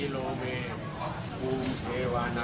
ขอบคุณครับ